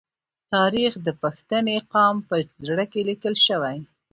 تاریخ د پښتني قام په زړه کې لیکل شوی.